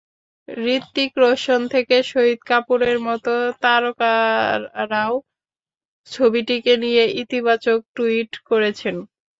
হৃতিক রোশন থেকে শহিদ কাপুরের মতো তারকারাও ছবিটিকে নিয়ে ইতিবাচক টুইট করেছেন।